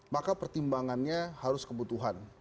maka pertimbangannya harus kebutuhan